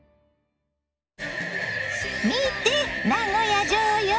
見て名古屋城よ！